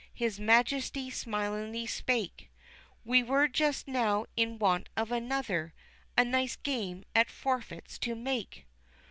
his Majesty smilingly spake, "We were just now in want of another, a nice game at forfeits to make.